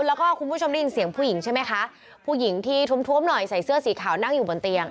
แล้วก็คุณผู้ชมได้ยินเสียงผู้หญิงใช่ไหมคะผู้หญิงที่ท้วมหน่อยใส่เสื้อสีขาวนั่งอยู่บนเตียง